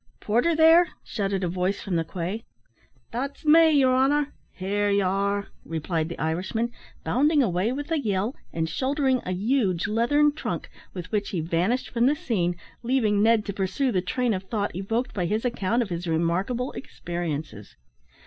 "Porter there?" shouted a voice from the quay. "That's me, yer honer. Here ye are," replied the Irishman, bounding away with a yell, and shouldering a huge leathern trunk, with which he vanished from the scene, leaving Ned to pursue the train of thought evoked by his account of his remarkable experiences.